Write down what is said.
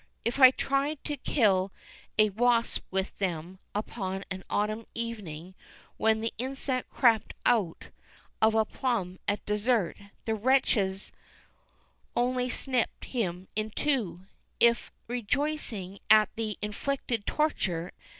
If I tried to kill a wasp with them upon an autumn evening, when the insect crept out of a plum at dessert, the wretches only snipped him in two, as if rejoicing at the inflicted torture.